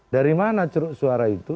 dari mana suara itu